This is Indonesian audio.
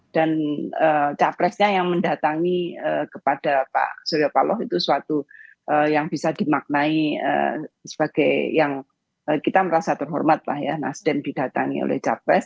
dan capresnya yang mendatangi kepada pak surya paloh itu suatu yang bisa dimaknai sebagai yang kita merasa terhormat lah ya nasdem didatangi oleh capres